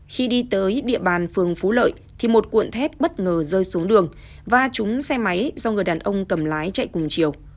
khi đi tới địa bàn phường phú lợi thì một cuộn thép bất ngờ rơi xuống đường và trúng xe máy do người đàn ông cầm lái chạy cùng chiều